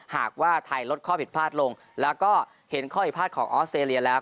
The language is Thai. หากว่าไทยลดข้อผิดพลาดลงแล้วก็เห็นข้อผิดพลาดของออสเตรเลียแล้ว